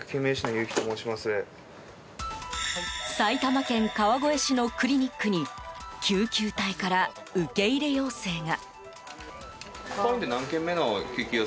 埼玉県川越市のクリニックに救急隊から受け入れ要請が。